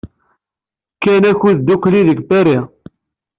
Kkan akud ddukkli deg Paris.